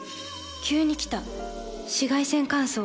急に来た紫外線乾燥。